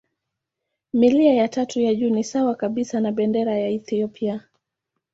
Milia ya tatu ya juu ni sawa kabisa na bendera ya Ethiopia.